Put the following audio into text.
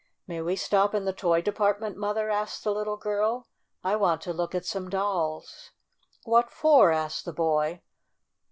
"May we stop in the toy department, Mother?" asked the little girl. "I want to look at some dolls." "What for?" asked the boy.